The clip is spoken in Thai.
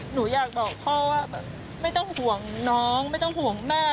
หนูอยากบอกพ่อว่าแบบไม่ต้องห่วงน้องไม่ต้องห่วงแม่